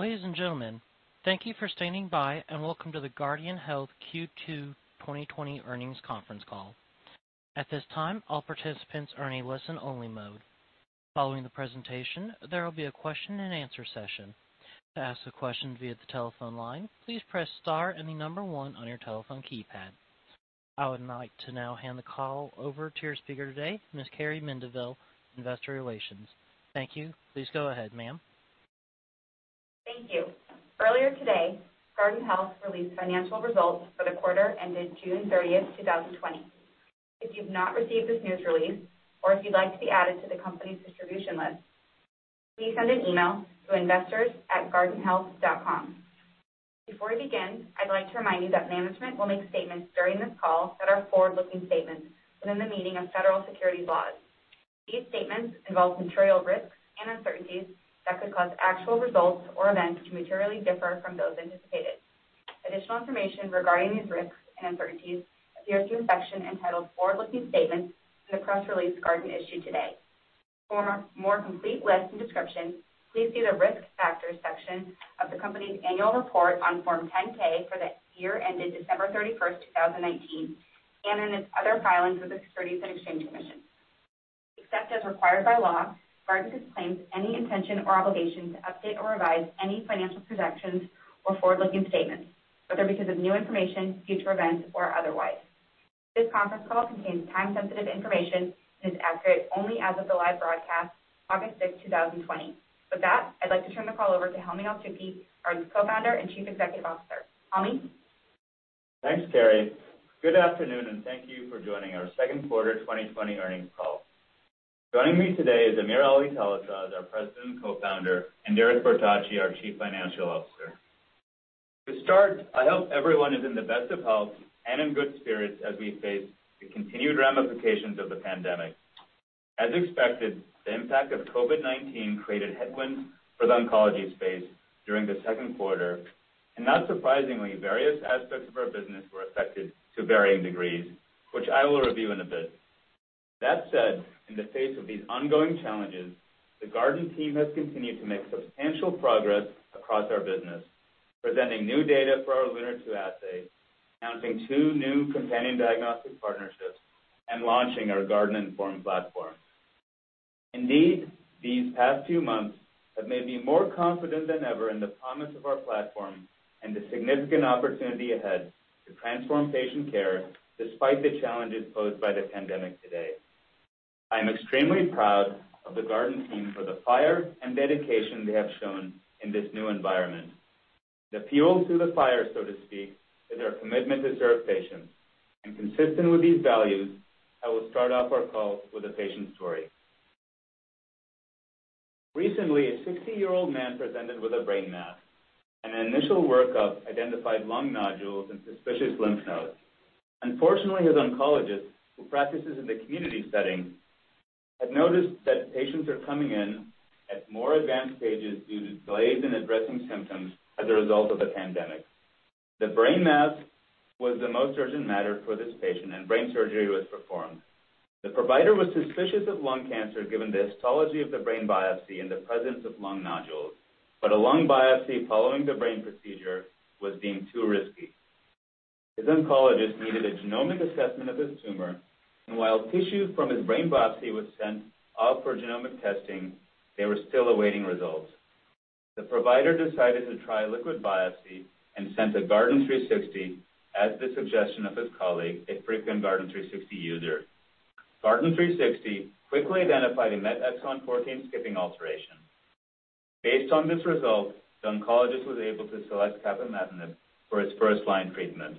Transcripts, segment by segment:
Ladies and gentlemen, thank you for standing by, and welcome to the Guardant Health Q2 2020 earnings conference call. At this time, all participants are in a listen-only mode. Following the presentation, there will be a question and answer session. To ask a question via the telephone line, please press star and the number one on your telephone keypad. I would like to now hand the call over to your speaker today, Ms. Carrie Mendivil, Investor Relations. Thank you. Please go ahead, ma'am. Thank you. Earlier today, Guardant Health released financial results for the quarter ended June 30th, 2020. If you've not received this news release, or if you'd like to be added to the company's distribution list, please send an email to investors@guardanthealth.com. Before we begin, I'd like to remind you that management will make statements during this call that are forward-looking statements within the meaning of federal securities laws. These statements involve material risks and uncertainties that could cause actual results or events to materially differ from those anticipated. Additional information regarding these risks and uncertainties appears in a section entitled Forward Looking Statements in the press release Guardant issued today. For a more complete list and description, please see the Risk Factors section of the company's annual report on Form 10-K for the year ended December 31st, 2019, and in its other filings with the Securities and Exchange Commission. Except as required by law, Guardant disclaims any intention or obligation to update or revise any financial projections or forward-looking statements, whether because of new information, future events, or otherwise. This conference call contains time-sensitive information and is accurate only as of the live broadcast, August 6th, 2020. With that, I'd like to turn the call over to Helmy Eltoukhy, our Co-founder and Chief Executive Officer. Helmy? Thanks, Carrie. Good afternoon, thank you for joining our second quarter 2020 earnings call. Joining me today is AmirAli Talasaz, our president and co-founder, and Derek Bertocci, our chief financial officer. To start, I hope everyone is in the best of health and in good spirits as we face the continued ramifications of the pandemic. As expected, the impact of COVID-19 created headwinds for the oncology space during the second quarter. Not surprisingly, various aspects of our business were affected to varying degrees, which I will review in a bit. That said, in the face of these ongoing challenges, the Guardant team has continued to make substantial progress across our business, presenting new data for our LUNAR-2 assay, announcing two new companion diagnostic partnerships, and launching our GuardantINFORM platform. Indeed, these past two months have made me more confident than ever in the promise of our platform and the significant opportunity ahead to transform patient care despite the challenges posed by the pandemic today. I am extremely proud of the Guardant team for the fire and dedication they have shown in this new environment. The fuel to the fire, so to speak, is our commitment to serve patients. Consistent with these values, I will start off our call with a patient story. Recently, a 60-year-old man presented with a brain mass, and an initial work-up identified lung nodules and suspicious lymph nodes. Unfortunately, his oncologist, who practices in the community setting, had noticed that patients are coming in at more advanced stages due to delays in addressing symptoms as a result of the pandemic. The brain mass was the most urgent matter for this patient, and brain surgery was performed. The provider was suspicious of lung cancer given the histology of the brain biopsy and the presence of lung nodules, but a lung biopsy following the brain procedure was deemed too risky. His oncologist needed a genomic assessment of his tumor, and while tissue from his brain biopsy was sent off for genomic testing, they were still awaiting results. The provider decided to try liquid biopsy and sent a Guardant360 at the suggestion of his colleague, a frequent Guardant360 user. Guardant360 quickly identified a MET exon 14 skipping alteration. Based on this result, the oncologist was able to select capmatinib for his first-line treatment.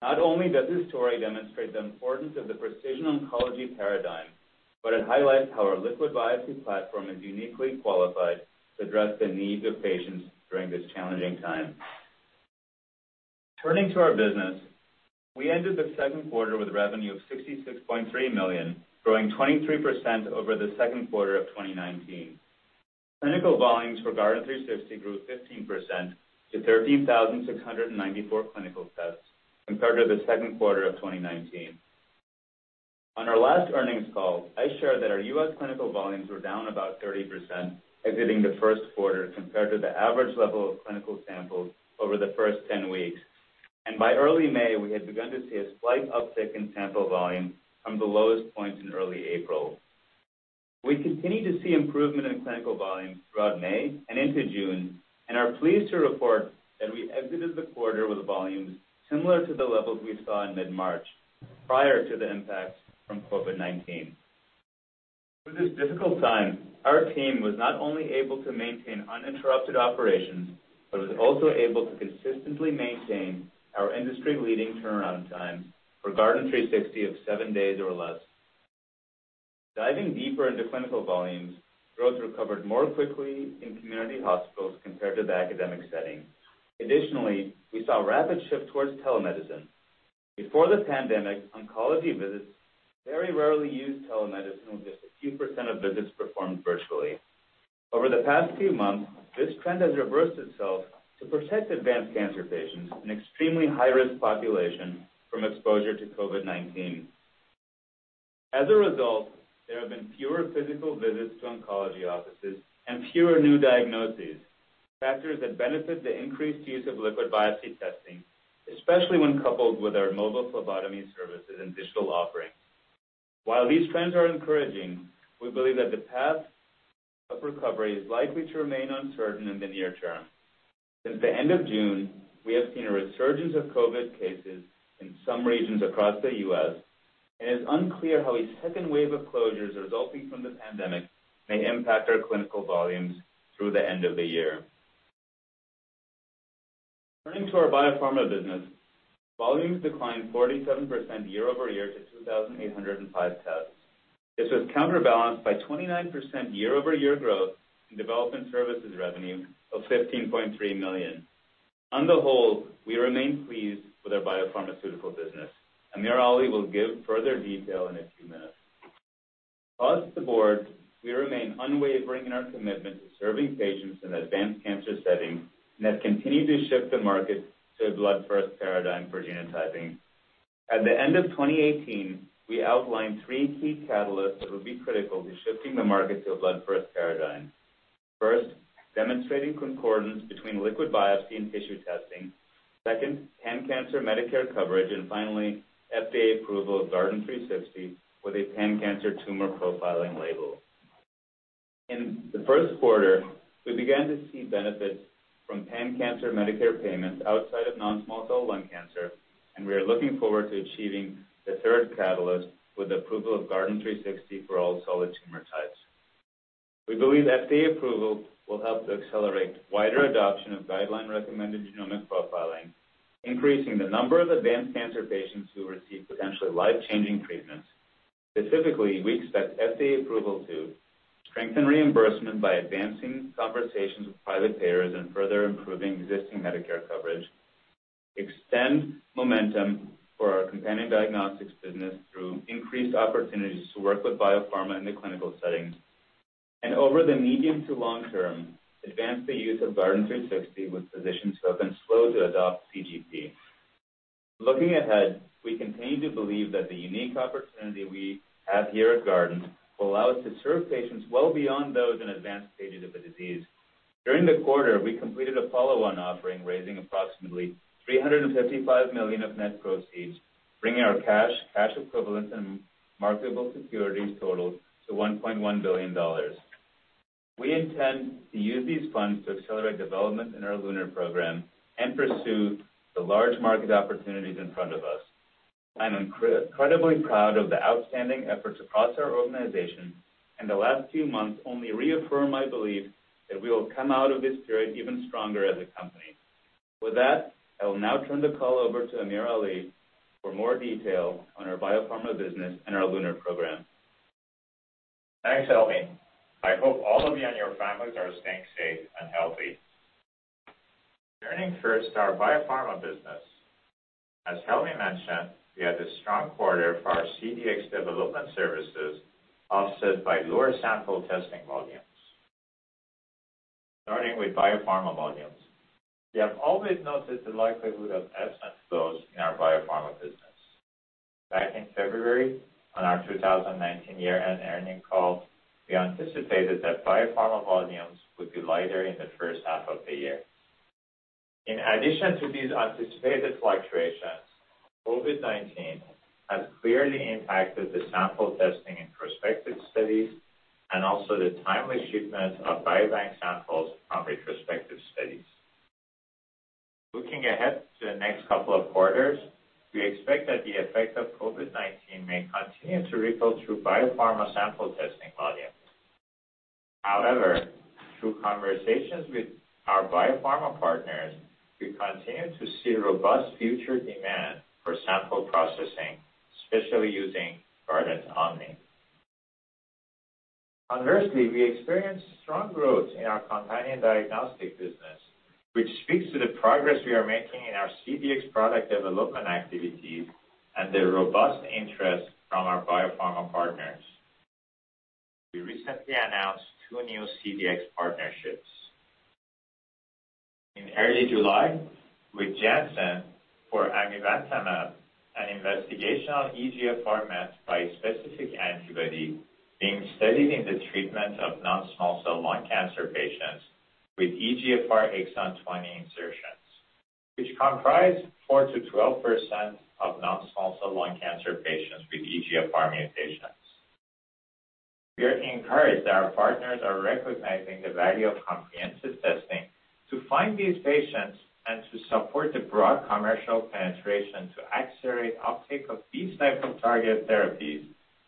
Not only does this story demonstrate the importance of the precision oncology paradigm, but it highlights how our liquid biopsy platform is uniquely qualified to address the needs of patients during this challenging time. Turning to our business, we ended the second quarter with revenue of $66.3 million, growing 23% over the second quarter of 2019. Clinical volumes for Guardant360 grew 15% to 13,694 clinical tests compared to the second quarter of 2019. On our last earnings call, I shared that our U.S. clinical volumes were down about 30% exiting the first quarter compared to the average level of clinical samples over the first 10 weeks. By early May, we had begun to see a slight uptick in sample volume from the lowest point in early April. We continued to see improvement in clinical volumes throughout May and into June and are pleased to report that we exited the quarter with volumes similar to the levels we saw in mid-March, prior to the impact from COVID-19. Through this difficult time, our team was not only able to maintain uninterrupted operations, but was also able to consistently maintain our industry-leading turnaround time for Guardant360 of seven days or less. Diving deeper into clinical volumes, growth recovered more quickly in community hospitals compared to the academic setting. Additionally, we saw a rapid shift towards telemedicine. Before the pandemic, oncology visits very rarely used telemedicine, with just a few percent of visits performed virtually. Over the past few months, this trend has reversed itself to protect advanced cancer patients, an extremely high-risk population, from exposure to COVID-19. As a result, there have been fewer physical visits to oncology offices and fewer new diagnoses, factors that benefit the increased use of liquid biopsy testing, especially when coupled with our mobile phlebotomy services and digital offerings. While these trends are encouraging, we believe that the path of recovery is likely to remain uncertain in the near term. Since the end of June, we have seen a resurgence of COVID-19 cases in some regions across the U.S., and it's unclear how a second wave of closures resulting from the pandemic may impact our clinical volumes through the end of the year. Turning to our biopharma business, volumes declined 47% year-over-year to 2,805 tests. This was counterbalanced by 29% year-over-year growth in development services revenue of $15.3 million. On the whole, we remain pleased with our biopharmaceutical business. AmirAli will give further detail in a few minutes. As the board, we remain unwavering in our commitment to serving patients in advanced cancer settings, and have continued to shift the market to a blood first paradigm for genotyping. At the end of 2018, we outlined three key catalysts that will be critical to shifting the market to a blood first paradigm. First, demonstrating concordance between liquid biopsy and tissue testing. Second, pan-cancer Medicare coverage, and finally, FDA approval of Guardant360 with a pan-cancer tumor profiling label. In the first quarter, we began to see benefits from pan-cancer Medicare payments outside of non-small cell lung cancer. We are looking forward to achieving the third catalyst with the approval of Guardant360 for all solid tumor types. We believe FDA approval will help to accelerate wider adoption of guideline-recommended genomic profiling, increasing the number of advanced cancer patients who receive potentially life-changing treatments. Specifically, we expect FDA approval to strengthen reimbursement by advancing conversations with private payers and further improving existing Medicare coverage, extend momentum for our companion diagnostics business through increased opportunities to work with biopharma in the clinical setting, and over the medium to long term, advance the use of Guardant360 with physicians who have been slow to adopt CGP. Looking ahead, we continue to believe that the unique opportunity we have here at Guardant will allow us to serve patients well beyond those in advanced stages of the disease. During the quarter, we completed a follow-on offering, raising approximately $355 million of net proceeds, bringing our cash equivalents, and marketable securities totals to $1.1 billion. We intend to use these funds to accelerate development in our LUNAR program and pursue the large market opportunities in front of us. I'm incredibly proud of the outstanding efforts across our organization. The last few months only reaffirm my belief that we will come out of this period even stronger as a company. With that, I will now turn the call over to AmirAli for more detail on our Biopharma business and our LUNAR program. Thanks, Helmy. I hope all of you and your families are staying safe and healthy. Turning first to our Biopharma business. As Helmy mentioned, we had a strong quarter for our CDx development services, offset by lower sample testing volumes. Starting with Biopharma volumes. We have always noted the likelihood of ebb and flows in our Biopharma business. Back in February, on our 2019 year-end earning call, we anticipated that Biopharma volumes would be lighter in the first half of the year. In addition to these anticipated fluctuations, COVID-19 has clearly impacted the sample testing in prospective studies and also the timely shipment of biobank samples from retrospective studies. Looking ahead to the next couple of quarters, we expect that the effect of COVID-19 may continue to ripple through Biopharma sample testing volumes. Through conversations with our Biopharma partners, we continue to see robust future demand for sample processing, especially using GuardantOMNI. We experienced strong growth in our companion diagnostic business, which speaks to the progress we are making in our CDx product development activities and the robust interest from our biopharma partners. We recently announced two new CDx partnerships. In early July, with Janssen for amivantamab, an investigational EGFR MET bispecific antibody being studied in the treatment of non-small cell lung cancer patients with EGFR exon 20 insertions, which comprise 4%-12% of non-small cell lung cancer patients with EGFR mutations. We are encouraged that our partners are recognizing the value of comprehensive testing to find these patients and to support the broad commercial penetration to accelerate uptake of these types of targeted therapies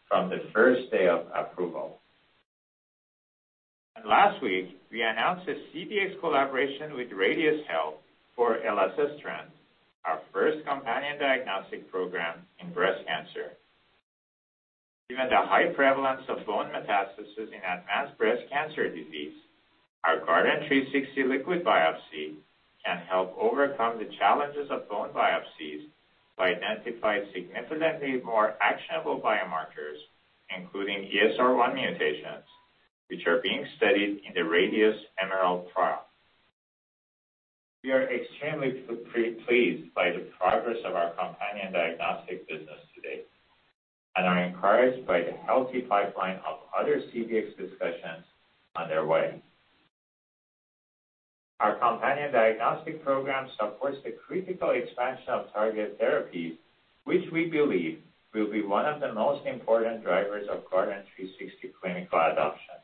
from the first day of approval. Last week, we announced a CDx collaboration with Radius Health for elacestrant, our first companion diagnostic program in breast cancer. Given the high prevalence of bone metastasis in advanced breast cancer disease, our Guardant360 liquid biopsy can help overcome the challenges of bone biopsies by identifying significantly more actionable biomarkers, including ESR1 mutations, which are being studied in the Radius EMERALD trial. We are extremely pleased by the progress of our companion diagnostic business today and are encouraged by the healthy pipeline of other CDx discussions on their way. Our companion diagnostic program supports the critical expansion of targeted therapies, which we believe will be one of the most important drivers of Guardant360 clinical adoption.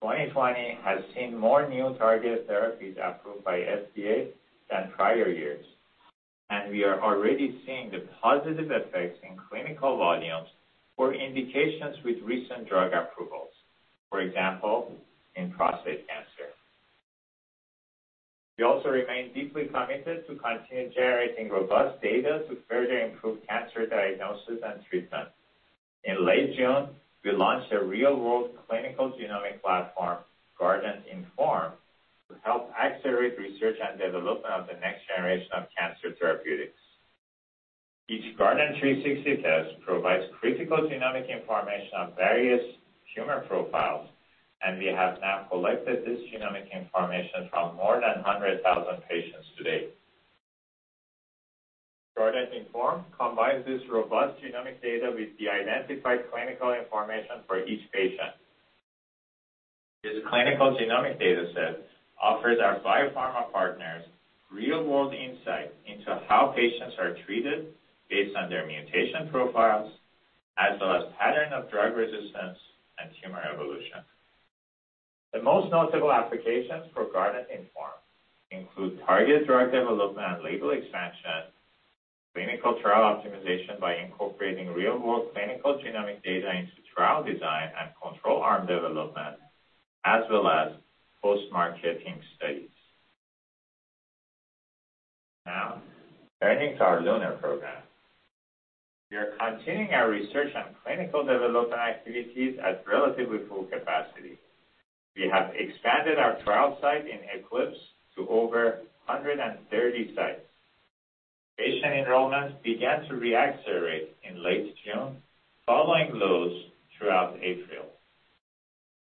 2020 has seen more new targeted therapies approved by FDA than prior years, and we are already seeing the positive effects in clinical volumes for indications with recent drug approvals, for example, in prostate cancer. We also remain deeply committed to continue generating robust data to further improve cancer diagnosis and treatment. In late June, we launched a real-world clinical genomic platform, GuardantINFORM, to help accelerate research and development of the next generation of cancer therapeutics. Each Guardant360 test provides critical genomic information on various tumor profiles, and we have now collected this genomic information from more than 100,000 patients to date. GuardantINFORM combines this robust genomic data with de-identified clinical information for each patient. This clinical genomic data set offers our Biopharma partners real-world insight into how patients are treated based on their mutation profiles, as well as pattern of drug resistance and tumor evolution. The most notable applications for GuardantINFORM include targeted drug development and label expansion, clinical trial optimization by incorporating real-world clinical genomic data into trial design and control arm development, as well as post-marketing studies. Now, turning to our LUNAR program. We are continuing our research and clinical development activities at relatively full capacity. We have expanded our trial site in ECLIPSE to over 130 sites. Patient enrollments began to re-accelerate in late June, following lows throughout April.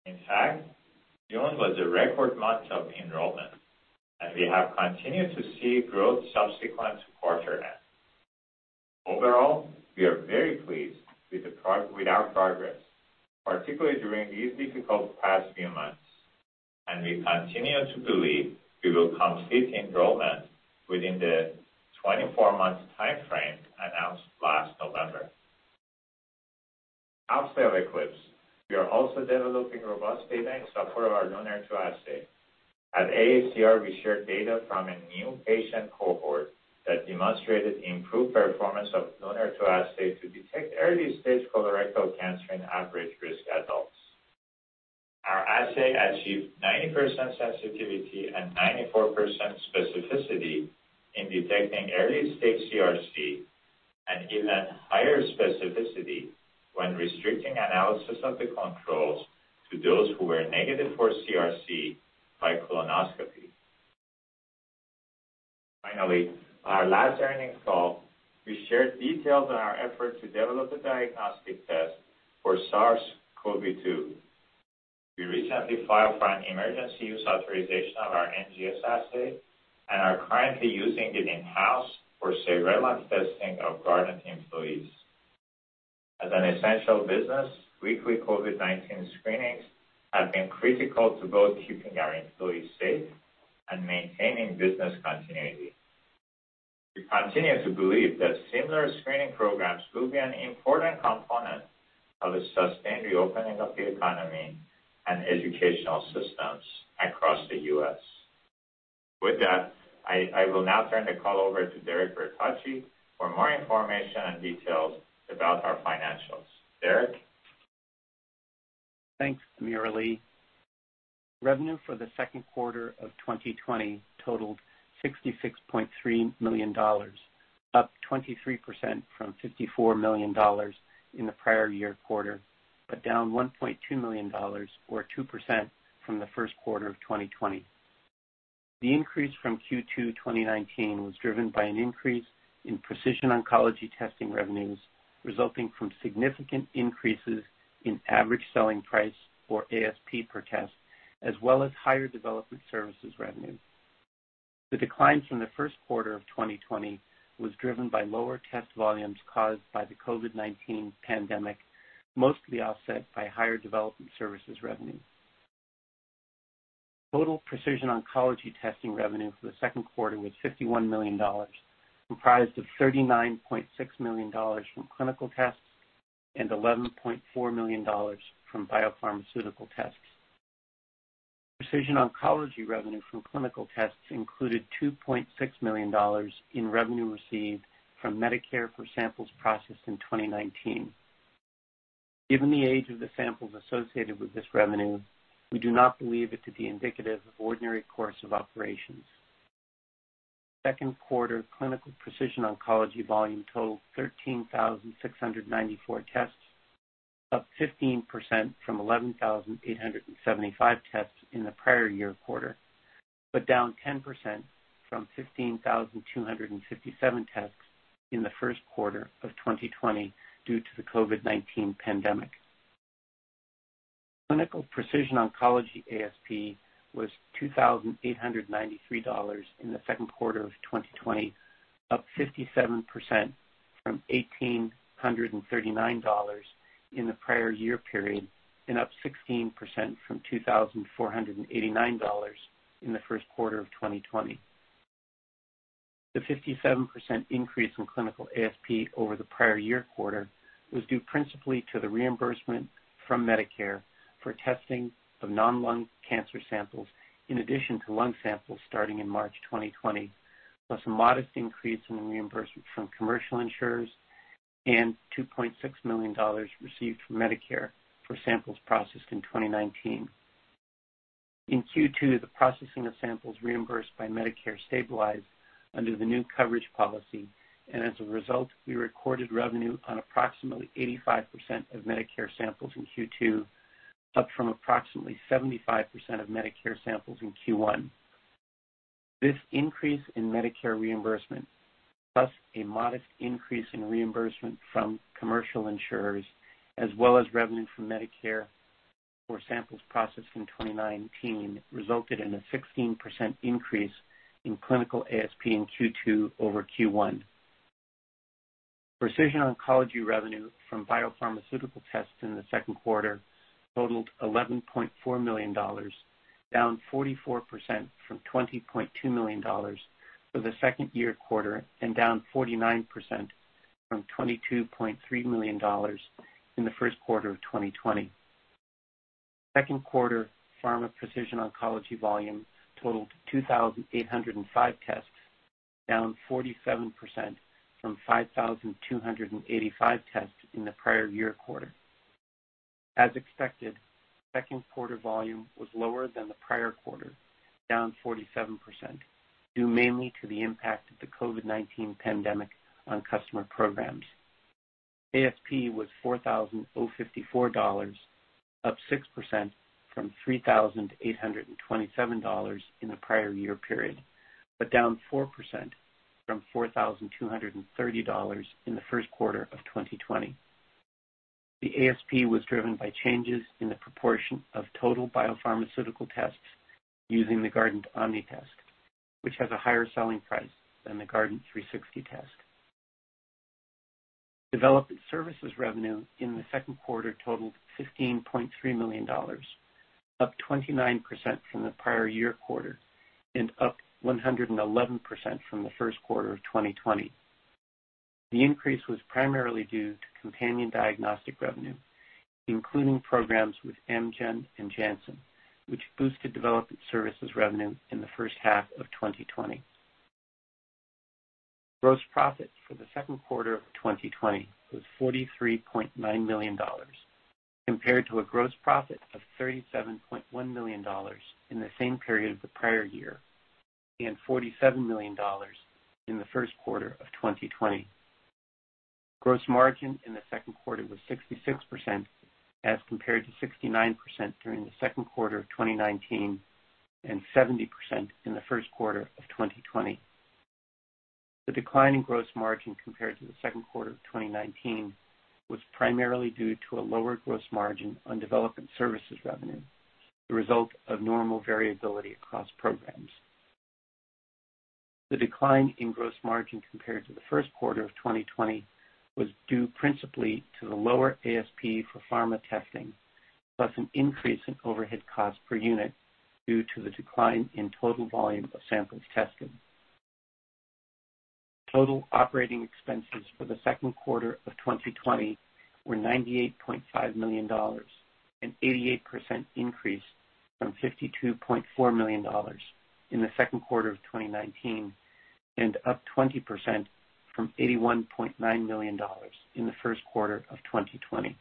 In fact, June was a record month of enrollment, and we have continued to see growth subsequent to quarter end. Overall, we are very pleased with our progress, particularly during these difficult past few months, and we continue to believe we will complete enrollment within the 24-month timeframe announced last November. Outside of ECLIPSE, we are also developing robust data in support of our LUNAR-2 assay. At AACR, we shared data from a new patient cohort that demonstrated improved performance of LUNAR-2 assay to detect early-stage colorectal cancer in average-risk adults. Our assay achieved 90% sensitivity and 94% specificity in detecting early-stage CRC, and even higher specificity when restricting analysis of the controls to those who were negative for CRC by colonoscopy. Finally, on our last earnings call, we shared details on our effort to develop a diagnostic test for SARS-CoV-2. We recently filed for an emergency use authorization of our NGS assay and are currently using it in-house for surveillance testing of Guardant employees. As an essential business, weekly COVID-19 screenings have been critical to both keeping our employees safe and maintaining business continuity. We continue to believe that similar screening programs will be an important component of a sustained reopening of the economy and educational systems across the U.S. With that, I will now turn the call over to Derek Bertocci for more information and details about our financials. Derek? Thanks, AmirAli. Revenue for the second quarter of 2020 totaled $66.3 million, up 23% from $54 million in the prior year quarter, down $1.2 million, or 2%, from the first quarter of 2020. The increase from Q2 2019 was driven by an increase in precision oncology testing revenues, resulting from significant increases in average selling price, or ASP per test, as well as higher development services revenue. The decline from the first quarter of 2020 was driven by lower test volumes caused by the COVID-19 pandemic, mostly offset by higher development services revenue. Total precision oncology testing revenue for the second quarter was $51 million, comprised of $39.6 million from clinical tests and $11.4 million from biopharmaceutical tests. Precision oncology revenue from clinical tests included $2.6 million in revenue received from Medicare for samples processed in 2019. Given the age of the samples associated with this revenue, we do not believe it to be indicative of ordinary course of operations. Second quarter clinical precision oncology volume totaled 13,694 tests, up 15% from 11,875 tests in the prior year quarter, but down 10% from 15,257 tests in the first quarter of 2020 due to the COVID-19 pandemic. Clinical precision oncology ASP was $2,893 in the second quarter of 2020, up 57% from $1,839 in the prior year period, and up 16% from $2,489 in the first quarter of 2020. The 57% increase in clinical ASP over the prior year quarter was due principally to the reimbursement from Medicare for testing of non-lung cancer samples in addition to lung samples starting in March 2020, plus a modest increase in the reimbursement from commercial insurers and $2.6 million received from Medicare for samples processed in 2019. In Q2, the processing of samples reimbursed by Medicare stabilized under the new coverage policy. As a result, we recorded revenue on approximately 85% of Medicare samples in Q2, up from approximately 75% of Medicare samples in Q1. This increase in Medicare reimbursement, plus a modest increase in reimbursement from commercial insurers, as well as revenue from Medicare for samples processed in 2019, resulted in a 16% increase in clinical ASP in Q2 over Q1. Precision oncology revenue from biopharmaceutical tests in the second quarter totaled $11.4 million, down 44% from $20.2 million for the prior year quarter and down 49% from $22.3 million in the first quarter of 2020. Second quarter pharma precision oncology volume totaled 2,805 tests, down 47% from 5,285 tests in the prior year quarter. As expected, second quarter volume was lower than the prior quarter, down 47%, due mainly to the impact of the COVID-19 pandemic on customer programs. ASP was $4,054, up 6% from $3,827 in the prior year period, but down 4% from $4,230 in the first quarter of 2020. The ASP was driven by changes in the proportion of total biopharmaceutical tests using the GuardantOMNI, which has a higher selling price than the Guardant360 test. Development services revenue in the second quarter totaled $15.3 million, up 29% from the prior year quarter and up 111% from the first quarter of 2020. The increase was primarily due to companion diagnostic revenue, including programs with Amgen and Janssen, which boosted development services revenue in the first half of 2020. Gross profit for the second quarter of 2020 was $43.9 million, compared to a gross profit of $37.1 million in the same period of the prior year and $47 million in the first quarter of 2020. Gross margin in the second quarter was 66%, as compared to 69% during the second quarter of 2019 and 70% in the first quarter of 2020. The decline in gross margin compared to the second quarter of 2019 was primarily due to a lower gross margin on development services revenue, the result of normal variability across programs. The decline in gross margin compared to the first quarter of 2020 was due principally to the lower ASP for pharma testing, plus an increase in overhead cost per unit due to the decline in total volume of samples tested. Total operating expenses for the second quarter of 2020 were $98.5 million, an 88% increase from $52.4 million in the second quarter of 2019 and up 20% from $81.9 million in the first quarter of 2020.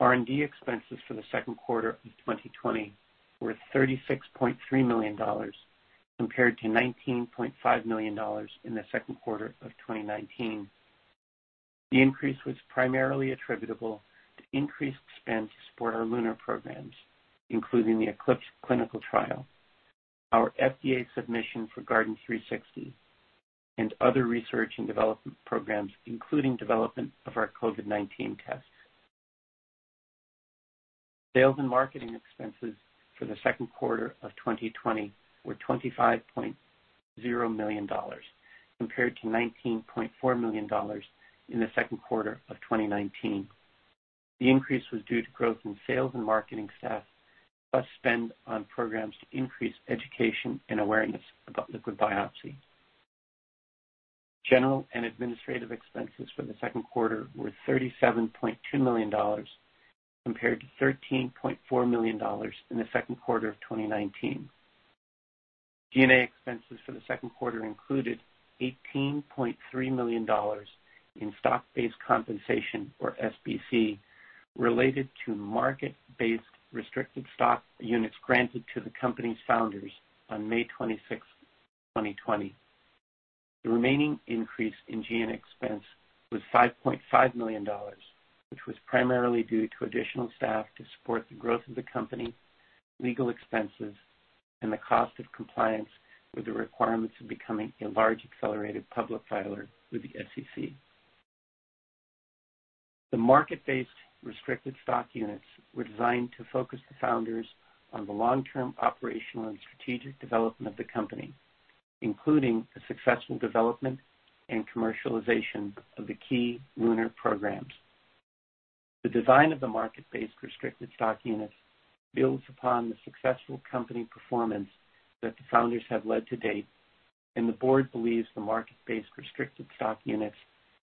R&D expenses for the second quarter of 2020 were $36.3 million, compared to $19.5 million in the second quarter of 2019. The increase was primarily attributable to increased spend to support our LUNAR programs, including the ECLIPSE clinical trial, our FDA submission for Guardant360, and other research and development programs, including development of our COVID-19 test. Sales and marketing expenses for the second quarter of 2020 were $25.0 million, compared to $19.4 million in the second quarter of 2019. The increase was due to growth in sales and marketing staff, plus spend on programs to increase education and awareness about liquid biopsy. General and administrative expenses for the second quarter were $37.2 million, compared to $13.4 million in the second quarter of 2019. G&A expenses for the second quarter included $18.3 million in stock-based compensation, or SBC, related to market-based restricted stock units granted to the company's founders on May 26th, 2020. The remaining increase in G&A expense was $5.5 million, which was primarily due to additional staff to support the growth of the company, legal expenses, and the cost of compliance with the requirements of becoming a large accelerated public filer with the SEC. The market-based restricted stock units were designed to focus the founders on the long-term operational and strategic development of the company, including the successful development and commercialization of the key LUNAR programs. The design of the market-based restricted stock units builds upon the successful company performance that the founders have led to date, and the board believes the market-based restricted stock units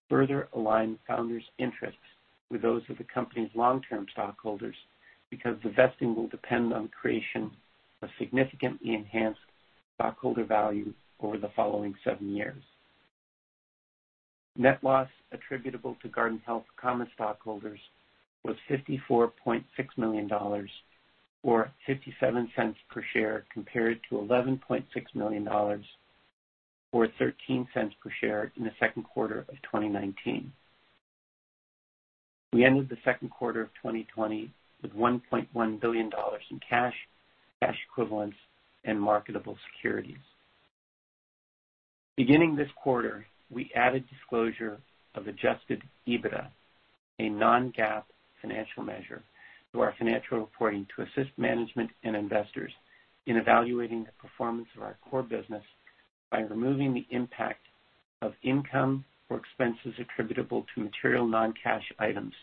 further align founders' interests with those of the company's long-term stockholders, because the vesting will depend on creation of significantly enhanced stockholder value over the following seven years. Net loss attributable to Guardant Health common stockholders was $54.6 million, or $0.57 per share, compared to $11.6 million, or $0.13 per share in the second quarter of 2019. We ended the second quarter of 2020 with $1.1 billion in cash equivalents, and marketable securities. Beginning this quarter, we added disclosure of adjusted EBITDA, a non-GAAP financial measure, to our financial reporting to assist management and investors in evaluating the performance of our core business by removing the impact of income or expenses attributable to material non-cash items,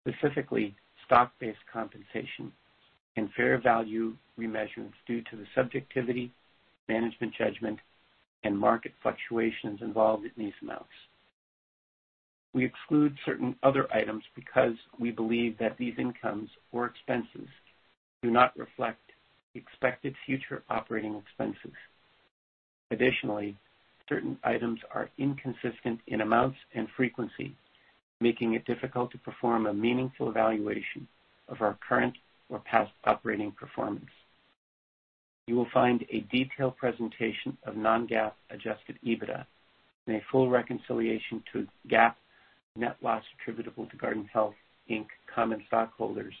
specifically stock-based compensation and fair value remeasurement due to the subjectivity, management judgment, and market fluctuations involved in these amounts. We exclude certain other items because we believe that these incomes or expenses do not reflect expected future operating expenses. Additionally, certain items are inconsistent in amounts and frequency, making it difficult to perform a meaningful evaluation of our current or past operating performance. You will find a detailed presentation of non-GAAP adjusted EBITDA and a full reconciliation to GAAP net loss attributable to Guardant Health, Inc. common stockholders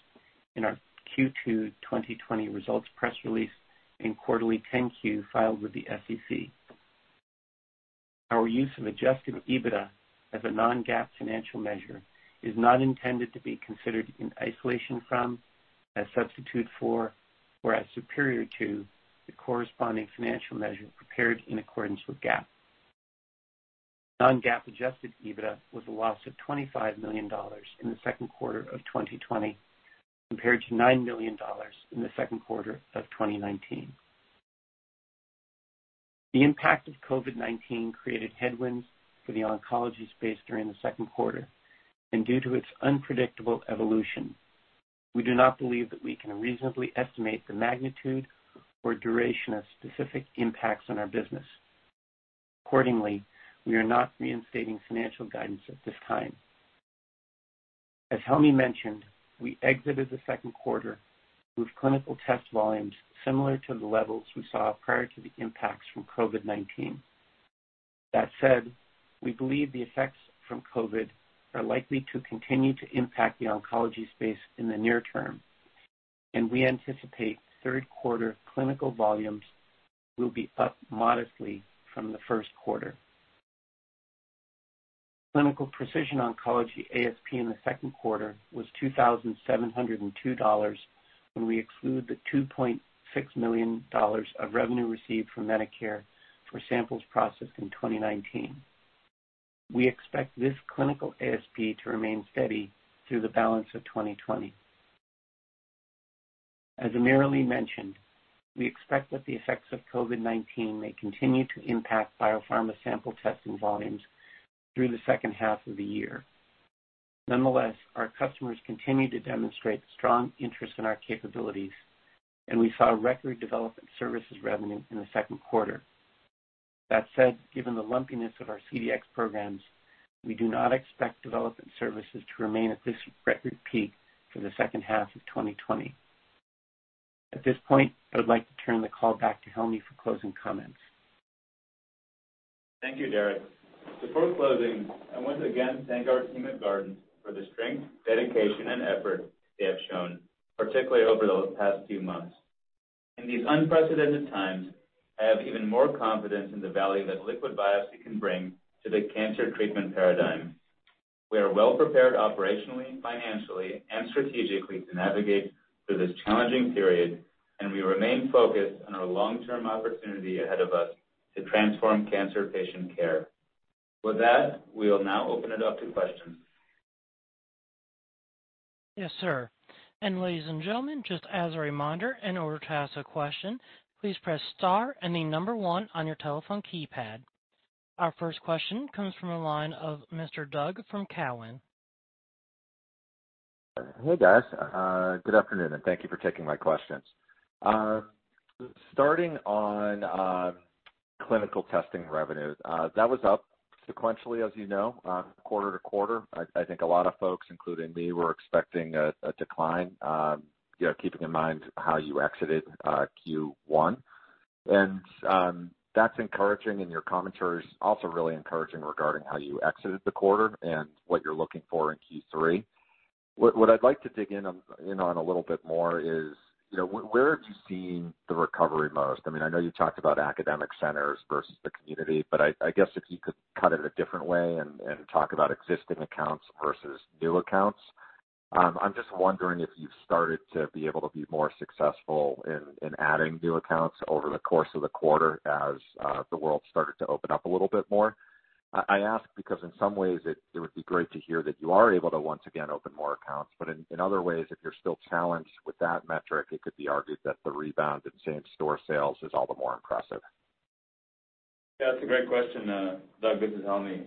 in our Q2 2020 results press release and quarterly 10-Q filed with the SEC. Our use of adjusted EBITDA as a non-GAAP financial measure is not intended to be considered in isolation from, a substitute for, or as superior to, the corresponding financial measure prepared in accordance with GAAP. Non-GAAP adjusted EBITDA was a loss of $25 million in the second quarter of 2020, compared to $9 million in the second quarter of 2019. The impact of COVID-19 created headwinds for the oncology space during the second quarter, and due to its unpredictable evolution, we do not believe that we can reasonably estimate the magnitude or duration of specific impacts on our business. Accordingly, we are not reinstating financial guidance at this time. As Helmy mentioned, we exited the second quarter with clinical test volumes similar to the levels we saw prior to the impacts from COVID-19. That said, we believe the effects from COVID are likely to continue to impact the oncology space in the near term, and we anticipate third quarter clinical volumes will be up modestly from the first quarter. Clinical precision oncology ASP in the second quarter was $2,702, when we exclude the $2.6 million of revenue received from Medicare for samples processed in 2019. We expect this clinical ASP to remain steady through the balance of 2020. As AmirAli mentioned, we expect that the effects of COVID-19 may continue to impact biopharma sample testing volumes through the second half of the year. Nonetheless, our customers continue to demonstrate strong interest in our capabilities, and we saw record development services revenue in the second quarter. That said, given the lumpiness of our CDx programs, we do not expect development services to remain at this record peak for the second half of 2020. At this point, I would like to turn the call back to Helmy for closing comments. Thank you, Derek. Before closing, I want to again thank our team at Guardant for the strength, dedication, and effort they have shown, particularly over the past few months. In these unprecedented times, I have even more confidence in the value that liquid biopsy can bring to the cancer treatment paradigm. We are well prepared operationally, financially, and strategically to navigate through this challenging period, and we remain focused on our long-term opportunity ahead of us to transform cancer patient care. With that, we will now open it up to questions. Yes, sir. Ladies and gentlemen, our first question comes from the line of Mr. Doug from Cowen. Hey, guys. Good afternoon, and thank you for taking my questions. Starting on clinical testing revenues, that was up sequentially as you know, quarter-to-quarter. I think a lot of folks, including me, were expecting a decline, keeping in mind how you exited Q1. That's encouraging, and your commentary is also really encouraging regarding how you exited the quarter and what you're looking for in Q3. What I'd like to dig in on a little bit more is, where have you seen the recovery most? I know you talked about academic centers versus the community, but I guess if you could cut it a different way and talk about existing accounts versus new accounts. I'm just wondering if you've started to be able to be more successful in adding new accounts over the course of the quarter as the world started to open up a little bit more. I ask because in some ways, it would be great to hear that you are able to once again open more accounts, but in other ways, if you are still challenged with that metric, it could be argued that the rebound in same-store sales is all the more impressive. Yeah, that's a great question, Doug. This is Helmy.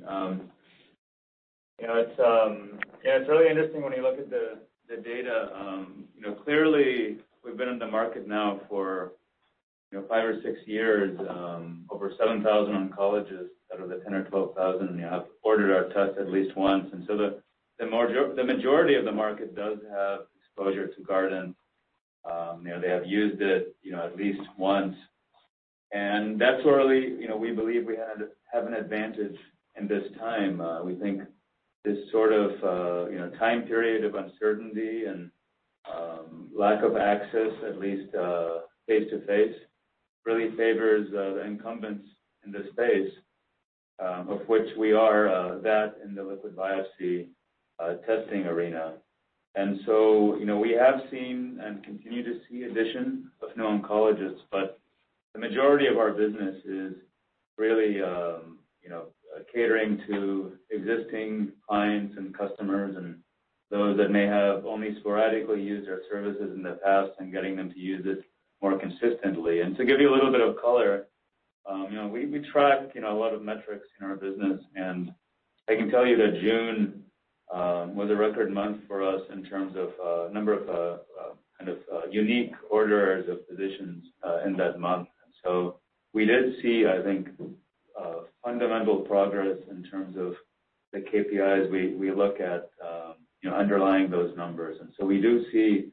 It's really interesting when you look at the data. We've been in the market now for five or six years. Over 7,000 oncologists out of the 10,000 or 12,000 have ordered our test at least once, the majority of the market does have exposure to Guardant. They have used it at least once, that's where we believe we have an advantage in this time. We think this sort of time period of uncertainty and lack of access, at least face-to-face, really favors the incumbents in this space, of which we are that in the liquid biopsy testing arena. We have seen and continue to see addition of new oncologists, but the majority of our business is really catering to existing clients and customers and those that may have only sporadically used our services in the past and getting them to use it more consistently. To give you a little bit of color, we track a lot of metrics in our business, and I can tell you that June was a record month for us in terms of number of unique orders of physicians in that month. We did see, I think, fundamental progress in terms of the KPIs we look at underlying those numbers. We do see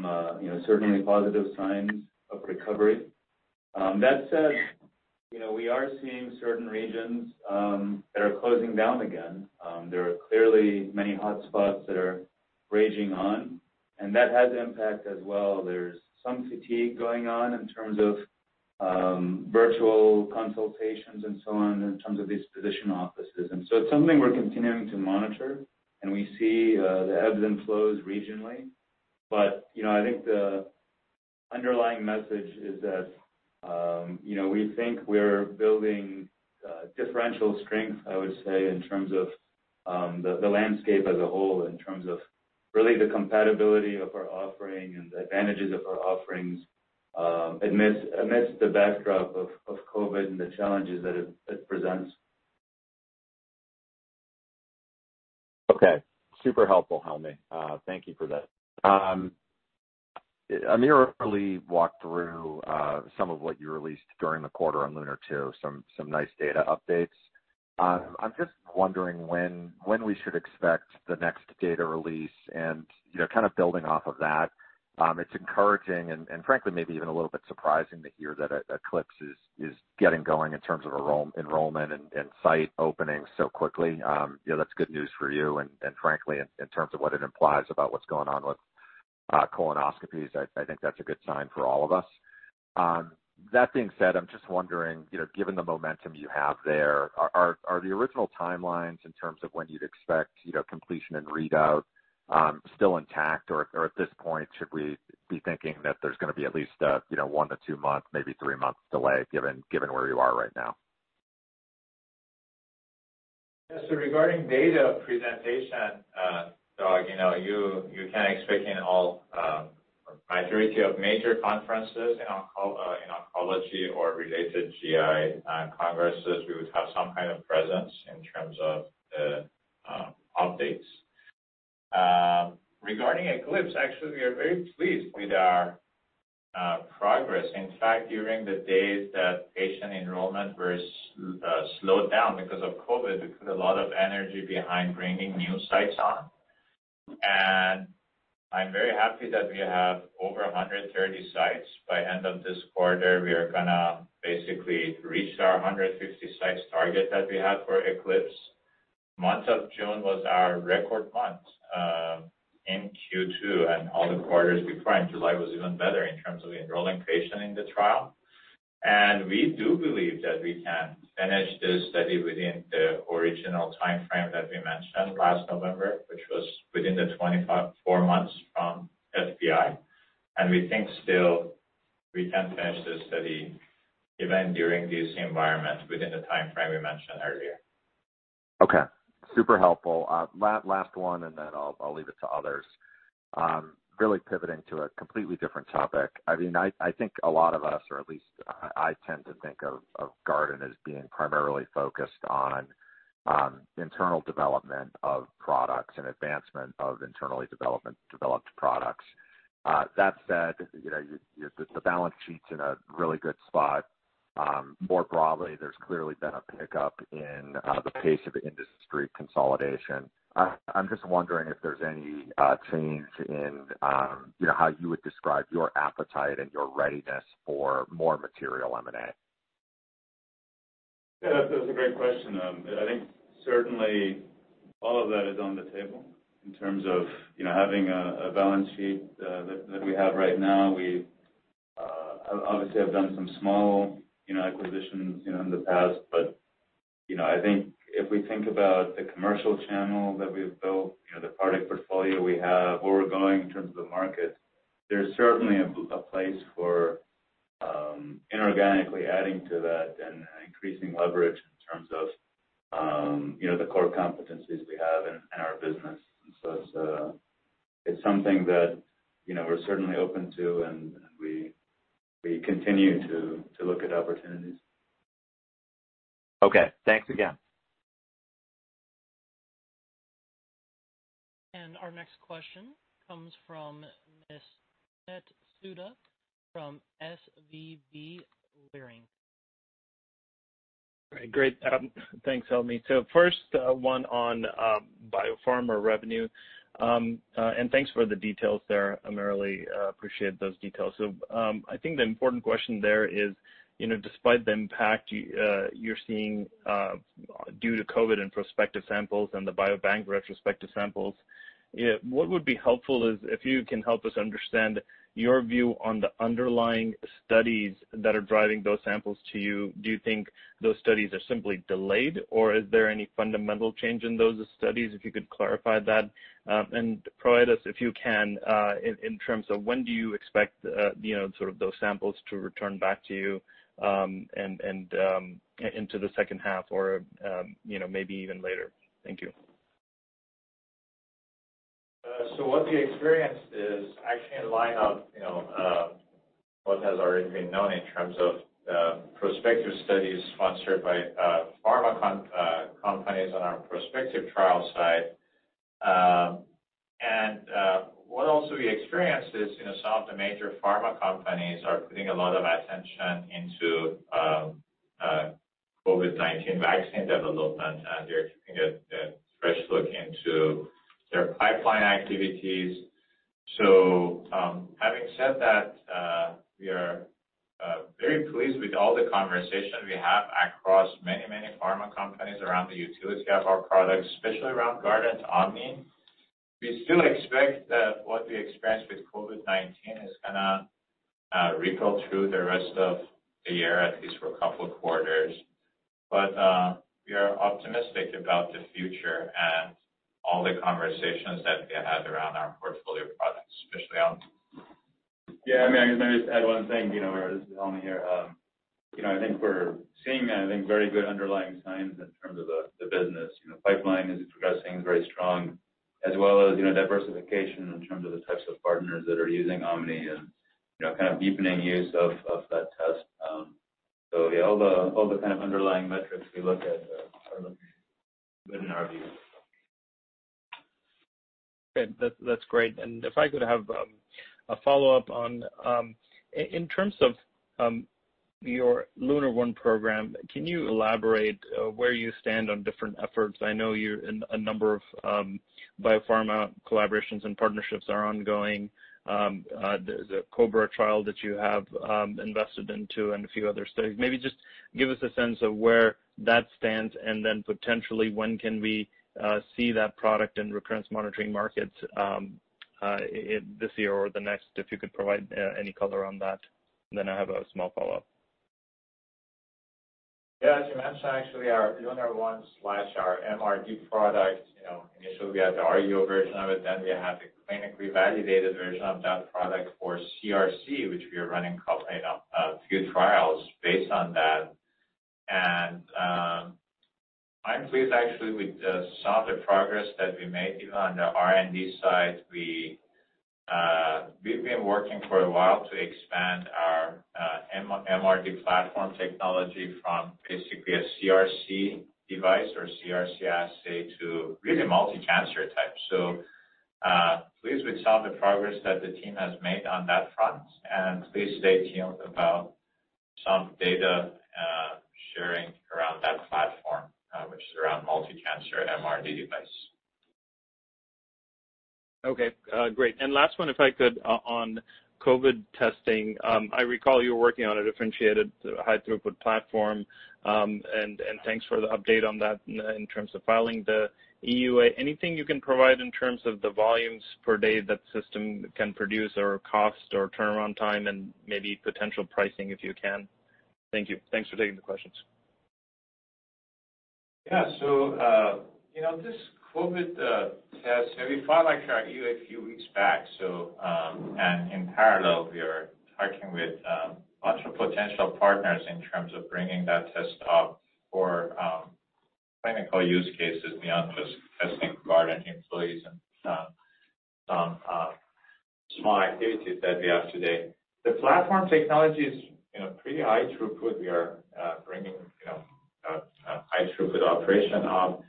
some certainly positive signs of recovery. That said, we are seeing certain regions that are closing down again. There are clearly many hot spots that are raging on, and that has impact as well. There's some fatigue going on in terms of virtual consultations and so on, in terms of these physician offices. It's something we're continuing to monitor, and we see the ebbs and flows regionally. I think the underlying message is that we think we're building differential strength, I would say, in terms of the landscape as a whole, in terms of really the compatibility of our offering and the advantages of our offerings amidst the backdrop of COVID and the challenges that it presents. Okay. Super helpful, Helmy. Thank you for that. Amir, I believe you walked through some of what you released during the quarter on LUNAR-2, some nice data updates. I'm just wondering when we should expect the next data release and, kind of building off of that, it's encouraging and frankly, maybe even a little bit surprising to hear that ECLIPSE is getting going in terms of enrollment and site openings so quickly. That's good news for you, and frankly, in terms of what it implies about what's going on with colonoscopies, I think that's a good sign for all of us. That being said, I'm just wondering, given the momentum you have there, are the original timelines in terms of when you'd expect completion and readout still intact, or at this point, should we be thinking that there's going to be at least a one to two month, maybe three months delay, given where you are right now? Yes. Regarding data presentation, Doug, you can expect in all or majority of major conferences in oncology or related GI congresses, we would have some kind of presence in terms of the updates. Regarding ECLIPSE, actually, we are very pleased with our progress. In fact, during the days that patient enrollment was slowed down because of COVID, we put a lot of energy behind bringing new sites on. I'm very happy that we have over 130 sites. By end of this quarter, we are going to basically reach our 150 sites target that we had for ECLIPSE. Month of June was our record month in Q2 and all the quarters before, and July was even better in terms of enrolling patients in the trial. We do believe that we can finish this study within the original timeframe that we mentioned last November, which was within the 24 months from FPI. We think still we can finish this study, even during this environment, within the timeframe we mentioned earlier. Okay. Super helpful. Last one, and then I'll leave it to others. Really pivoting to a completely different topic. I think a lot of us, or at least I tend to think of Guardant as being primarily focused on internal development of products and advancement of internally-developed products. That said, the balance sheet's in a really good spot. More broadly, there's clearly been a pickup in the pace of industry consolidation. I'm just wondering if there's any change in how you would describe your appetite and your readiness for more material M&A. Yeah, that's a great question. I think certainly all of that is on the table in terms of having a balance sheet that we have right now. We obviously have done some small acquisitions in the past, but I think if we think about the commercial channel that we've built, the product portfolio we have, where we're going in terms of the market, there's certainly a place for inorganically adding to that and increasing leverage in terms of the core competencies we have in our business. It's something that we're certainly open to, and we continue to look at opportunities. Okay. Thanks again. Our next question comes from Ms. Puneet Souda from SVB Leerink. Great. Thanks, Helmy. First one on biopharma revenue. Thanks for the details there, AmirAli. Appreciate those details. I think the important question there is, despite the impact you're seeing due to COVID in prospective samples and the biobank retrospective samples, what would be helpful is if you can help us understand your view on the underlying studies that are driving those samples to you. Do you think those studies are simply delayed, or is there any fundamental change in those studies? If you could clarify that and provide us, if you can, in terms of when do you expect those samples to return back to you and into the second half or maybe even later. Thank you. What we experienced is actually in line of what has already been known in terms of prospective studies sponsored by pharma companies on our prospective trial side. What also we experienced is some of the major pharma companies are putting a lot of attention into COVID-19 vaccine development, and they're keeping a fresh look into their pipeline activities. Having said that, we are very pleased with all the conversation we have across many pharma companies around the utility of our products, especially around GuardantOMNI. We still expect that what we experience with COVID-19 is going to ripple through the rest of the year, at least for a couple of quarters. We are optimistic about the future and all the conversations that we had around our portfolio of products. I mean, I can maybe just add one thing. Amir, this is Helmy here. I think we're seeing very good underlying signs in terms of the business. The pipeline is progressing very strong as well as diversification in terms of the types of partners that are using OMNI and kind of deepening use of that test. All the kind of underlying metrics we look at are looking good in our view. Good. That's great. If I could have a follow-up on, in terms of your LUNAR-1 program, can you elaborate where you stand on different efforts? I know a number of biopharma collaborations and partnerships are ongoing. The COBRA trial that you have invested into and a few other studies. Maybe just give us a sense of where that stands, and then potentially when can we see that product in recurrence monitoring markets this year or the next? If you could provide any color on that, and then I have a small follow-up. Yeah. As you mentioned, actually our LUNAR-1/MRD product, initially we had the RUO version of it, then we have the clinically validated version of that product for CRC, which we are running a few trials based on that. I'm pleased actually with the solid progress that we made even on the R&D side. We've been working for a while to expand our MRD platform technology from basically a CRC device or CRC assay to really multi-cancer types. Pleased with some of the progress that the team has made on that front, and please stay tuned about some data sharing around that platform which is around multi-cancer MRD device. Okay, great. Last one, if I could, on COVID testing. I recall you were working on a differentiated high throughput platform, and thanks for the update on that in terms of filing the EUA. Anything you can provide in terms of the volumes per day that system can produce or cost or turnaround time and maybe potential pricing if you can? Thank you. Thanks for taking the questions. This COVID-19 test, we filed actually our EUA a few weeks back. In parallel, we are talking with a bunch of potential partners in terms of bringing that test up for clinical use cases beyond just testing Guardant Health employees and some small activities that we have today. The platform technology is pretty high throughput. We are bringing a high throughput operation up.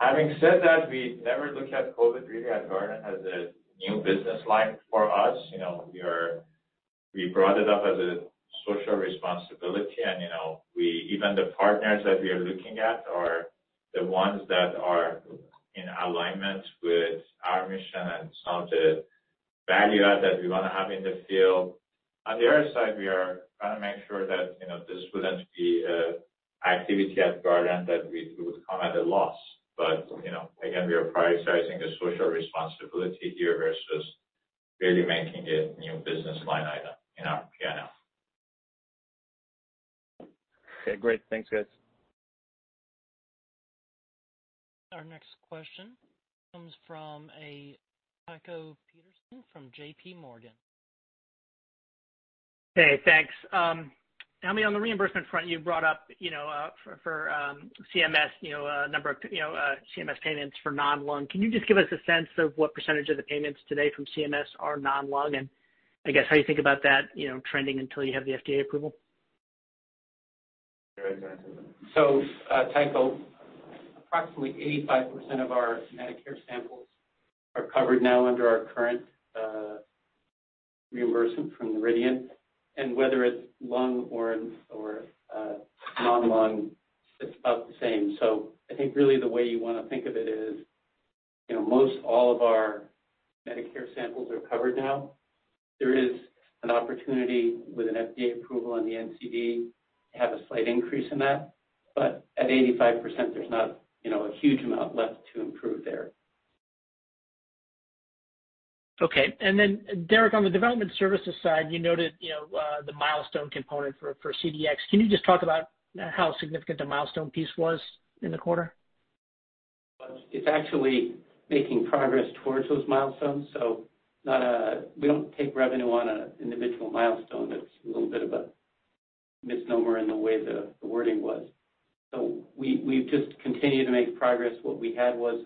Having said that, we never look at COVID really as Guardant as a new business line for us. We brought it up as a social responsibility and even the partners that we are looking at are the ones that are in alignment with our mission and some of the value add that we want to have in the field. On the other side, we are trying to make sure that this wouldn't be an activity at Guardant that we would come at a loss. Again, we are prioritizing the social responsibility here versus really making it a new business line item in our P&L. Okay, great. Thanks, guys. Our next question comes from Tycho Peterson from JPMorgan. Hey, thanks. Amir, on the reimbursement front, you brought up for CMS, a number of CMS payments for non-lung. Can you just give us a sense of what percentage of the payments today from CMS are non-lung, and I guess how you think about that trending until you have the FDA approval? Sure. Tycho, approximately 85% of our Medicare samples are covered now under our current reimbursement from Noridian, and whether it's lung or non-lung, it's about the same. I think really the way you want to think of it is most all of our Medicare samples are covered now. There is an opportunity with an FDA approval on the NCD to have a slight increase in that. At 85%, there's not a huge amount left to improve there. Okay. Derek, on the development services side, you noted the milestone component for CDx. Can you just talk about how significant the milestone piece was in the quarter? It's actually making progress towards those milestones. We don't take revenue on an individual milestone. That's a little bit of a misnomer in the way the wording was. We've just continued to make progress. What we had was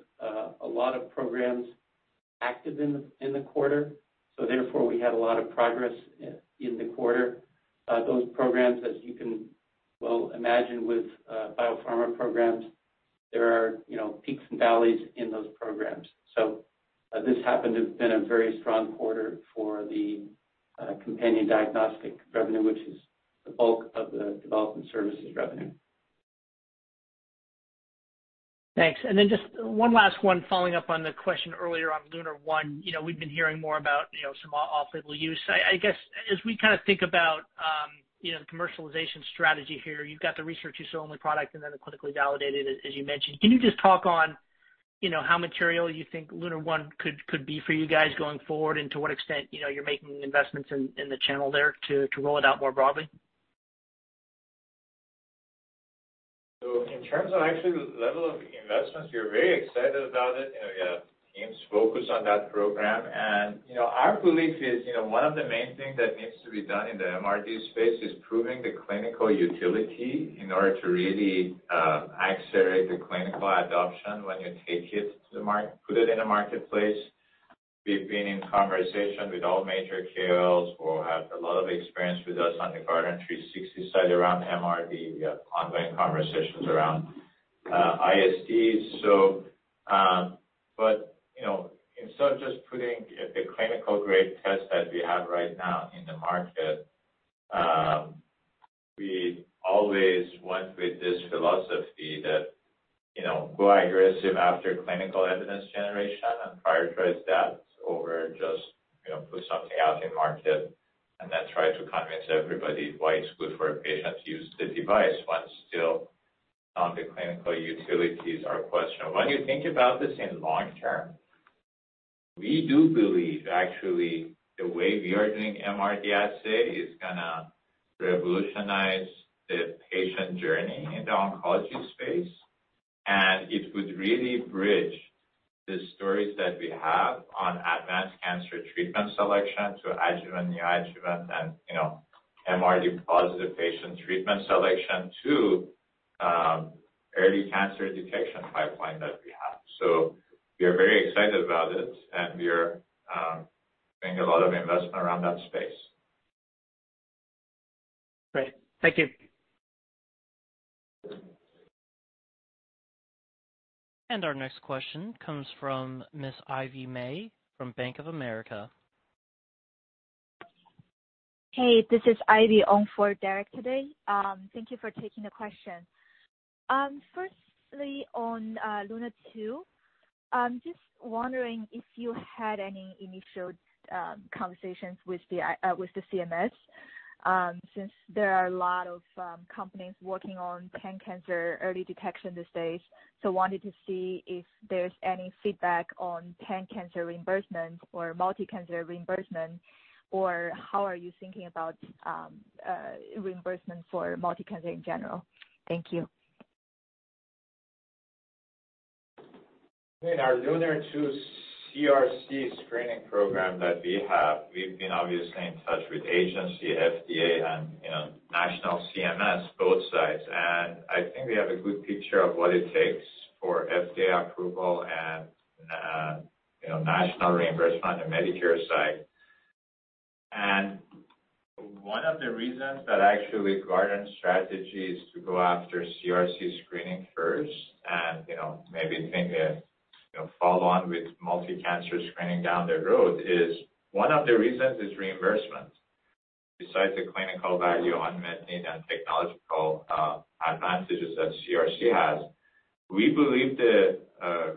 a lot of programs active in the quarter, so therefore, we had a lot of progress in the quarter. Those programs, as you can well imagine with biopharma programs, there are peaks and valleys in those programs. This happened to have been a very strong quarter for the companion diagnostic revenue, which is the bulk of the development services revenue. Thanks. Just one last one following up on the question earlier on LUNAR-1. We've been hearing more about some off-label use. I guess, as we think about the commercialization strategy here, you've got the research use only product and then the clinically validated, as you mentioned. Can you just talk on how material you think LUNAR-1 could be for you guys going forward and to what extent you're making investments in the channel there to roll it out more broadly? In terms of actually the level of investments, we're very excited about it. We have teams focused on that program. Our belief is one of the main things that needs to be done in the MRD space is proving the clinical utility in order to really accelerate the clinical adoption when you put it in a marketplace. We've been in conversation with all major KOLs who have a lot of experience with us on the Guardant360 side around MRD. We have ongoing conversations around ISTs. Instead of just putting the clinical-grade test that we have right now in the market, we always went with this philosophy that, go aggressive after clinical evidence generation and prioritize that over just putting something out in market and then try to convince everybody why it's good for a patient to use the device when still on the clinical utilities are questionable. When you think about this in long term, we do believe actually the way we are doing MRD assay is going to revolutionize the patient journey in the oncology space, and it would really bridge the stories that we have on advanced cancer treatment selection to adjuvant, neoadjuvant and MRD positive patient treatment selection to early cancer detection pipeline that we have. We are very excited about it and we are doing a lot of investment around that space. Great. Thank you. Our next question comes from Miss Ivy Ma from Bank of America. Hey, this is Ivy on for Derek today. Thank you for taking the question. On LUNAR-2, I'm just wondering if you had any initial conversations with the CMS, since there are a lot of companies working on pan-cancer early detection these days. Wanted to see if there's any feedback on pan-cancer reimbursement or multi-cancer reimbursement, or how are you thinking about reimbursement for multi-cancer in general? Thank you. In our LUNAR-2 CRC screening program that we have, we've been obviously in touch with agency, FDA, and national CMS, both sides. I think we have a good picture of what it takes for FDA approval and national reimbursement on the Medicare side. One of the reasons that actually Guardant's strategy is to go after CRC screening first and maybe think a follow on with multi-cancer screening down the road is, one of the reasons is reimbursement. Besides the clinical value on meeting the technological advantages that CRC has, we believe the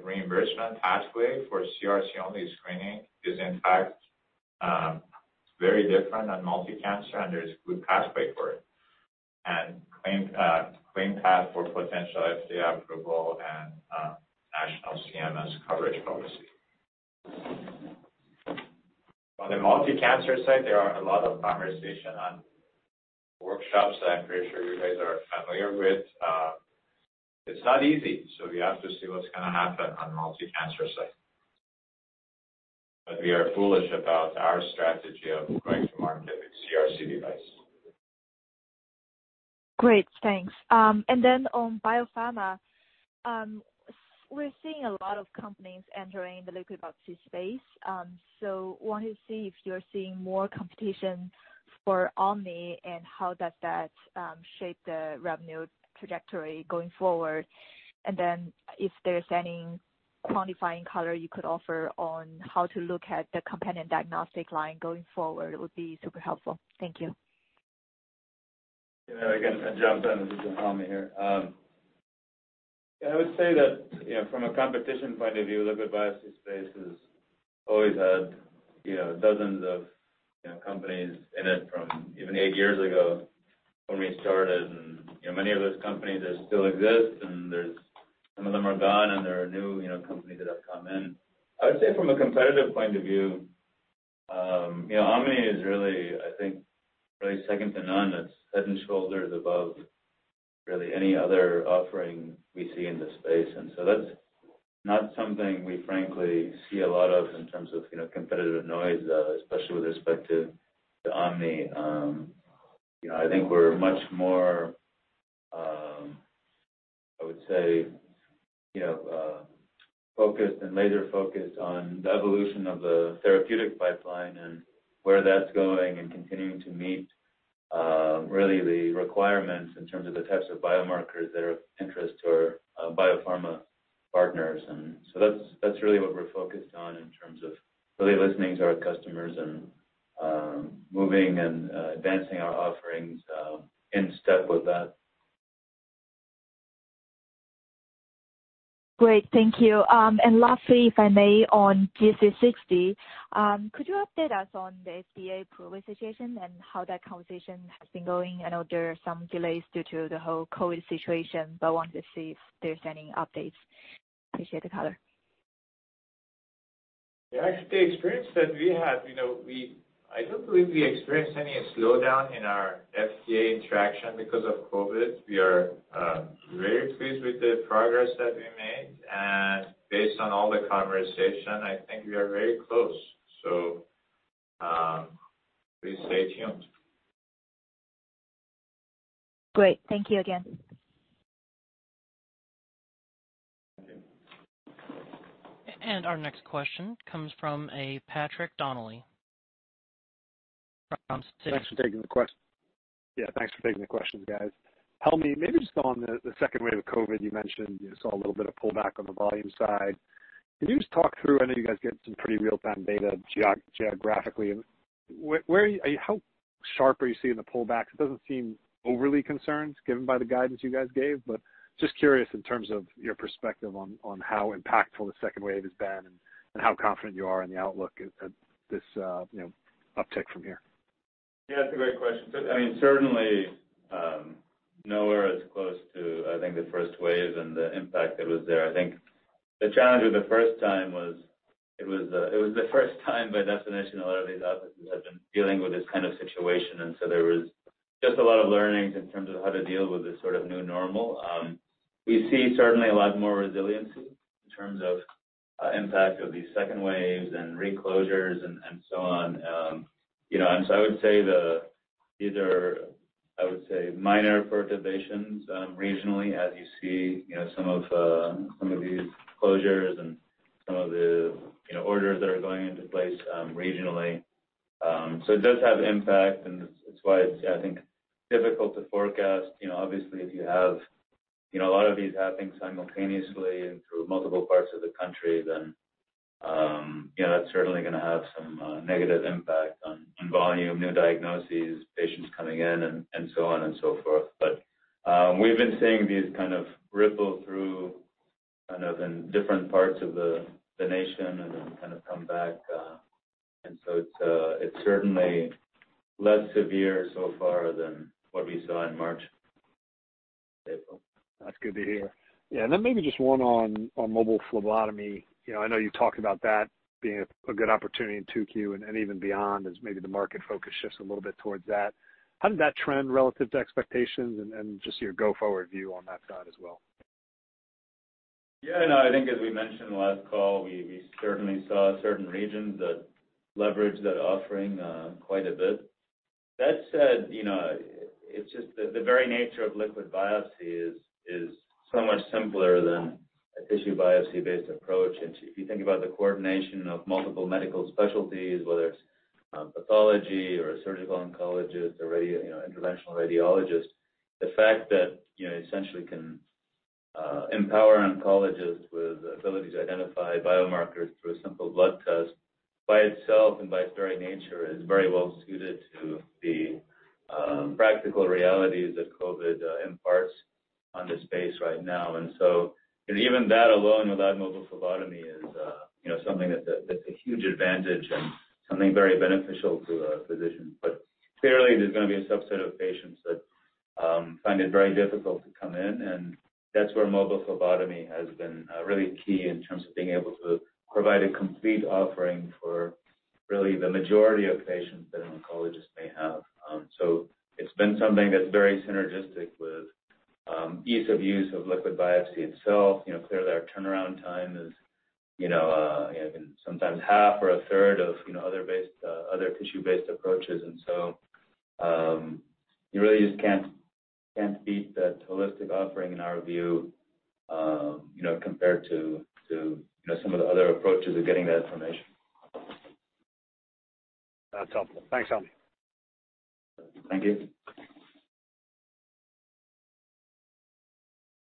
reimbursement pathway for CRC-only screening is in fact very different than multi-cancer, and there's a good pathway for it, and clean path for potential FDA approval and national CMS coverage policy. On the multi-cancer side, there are a lot of conversation on workshops that I'm pretty sure you guys are familiar with. It's not easy, so we have to see what's going to happen on multi-cancer side. We are bullish about our strategy of going to market with CRC device. Great. Thanks. On Biopharma, we're seeing a lot of companies entering the liquid biopsy space. Wanted to see if you're seeing more competition for Omni and how does that shape the revenue trajectory going forward? If there's any quantifying color you could offer on how to look at the companion diagnostic line going forward, it would be super helpful. Thank you. Yeah. Again, I'll jump in. This is Helmy here. I would say that from a competition point of view, liquid biopsy space has always had dozens of companies in it from even eight years ago when we started. Many of those companies still exist, and some of them are gone and there are new companies that have come in. I would say from a competitive point of view, Omni is really, I think, second to none. It's head and shoulders above really any other offering we see in the space. That's not something we frankly see a lot of in terms of competitive noise, especially with respect to the Omni. I think we're much more, I would say, focused and laser focused on the evolution of the therapeutic pipeline and where that's going and continuing to meet really the requirements in terms of the types of biomarkers that are of interest to our Biopharma partners. That's really what we're focused on in terms of really listening to our customers and moving and advancing our offerings in step with that. Great, thank you. Lastly, if I may, on G360, could you update us on the FDA approval situation and how that conversation has been going? I know there are some delays due to the whole COVID situation, but wanted to see if there's any updates. Appreciate the color. Yeah, actually, the experience that we had, I don't believe we experienced any slowdown in our FDA interaction because of COVID. We are very pleased with the progress that we made, and based on all the conversation, I think we are very close. Please stay tuned. Great. Thank you again. Our next question comes from a Patrick Donnelly from Citi. Yeah, thanks for taking the questions, guys. Helmy, maybe just on the second wave of COVID, you mentioned you saw a little bit of pullback on the volume side. Can you just talk through, I know you guys get some pretty real-time data geographically, how sharp are you seeing the pullbacks? It doesn't seem overly concerned given by the guidance you guys gave, but just curious in terms of your perspective on how impactful the second wave has been and how confident you are in the outlook at this uptick from here. Yeah, that's a great question. Certainly, nowhere as close to, I think, the first wave and the impact that was there. I think the challenge with the first time was, it was the first time, by definition, a lot of these offices have been dealing with this kind of situation. There was just a lot of learnings in terms of how to deal with this sort of new normal. We see certainly a lot more resiliency in terms of impact of these second waves and reclosures and so on. I would say these are minor perturbations regionally as you see some of these closures and some of the orders that are going into place regionally. It does have impact and it's why it's, I think, difficult to forecast. Obviously, if you have a lot of these happening simultaneously and through multiple parts of the country, then that's certainly going to have some negative impact on volume, new diagnoses, patients coming in, and so on and so forth. We've been seeing these kind of ripple through in different parts of the nation and then kind of come back. It's certainly less severe so far than what we saw in March, April. That's good to hear. Maybe just one on mobile phlebotomy. I know you talked about that being a good opportunity in 2Q and even beyond as maybe the market focus shifts a little bit towards that. How did that trend relative to expectations and just your go-forward view on that front as well? I think as we mentioned last call, we certainly saw certain regions that leveraged that offering quite a bit. That said, it's just the very nature of liquid biopsy is so much simpler than a tissue biopsy-based approach. If you think about the coordination of multiple medical specialties, whether it's pathology or a surgical oncologist or interventional radiologist, the fact that you essentially can empower oncologists with the ability to identify biomarkers through a simple blood test, by itself and by its very nature, is very well-suited to the practical realities that COVID imparts on the space right now. Even that alone without mobile phlebotomy is something that's a huge advantage and something very beneficial to a physician. Clearly, there's going to be a subset of patients that find it very difficult to come in, and that's where mobile phlebotomy has been really key in terms of being able to provide a complete offering for really the majority of patients that an oncologist may have. It's been something that's very synergistic with ease of use of liquid biopsy itself. Clearly, our turnaround time has been sometimes half or a third of other tissue-based approaches. You really just can't beat that holistic offering in our view, compared to some of the other approaches of getting that information. That's helpful. Thanks, Helmy. Thank you.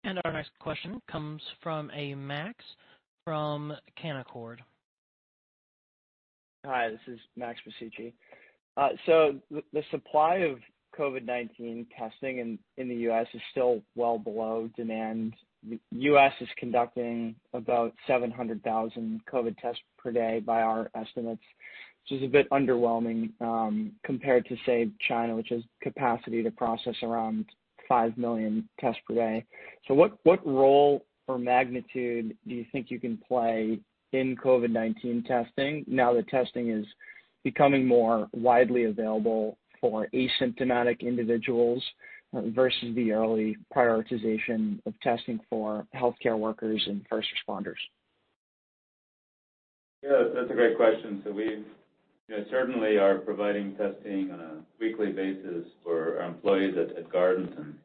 Our next question comes from a Max from Canaccord. Hi, this is Max Masucci. The supply of COVID-19 testing in the U.S. is still well below demand. The U.S. is conducting about 700,000 COVID tests per day by our estimates, which is a bit underwhelming compared to, say, China, which has capacity to process around 5 million tests per day. What role or magnitude do you think you can play in COVID-19 testing now that testing is becoming more widely available for asymptomatic individuals versus the early prioritization of testing for healthcare workers and first responders? Yeah, that's a great question. We certainly are providing testing on a weekly basis for our employees at Guardant, and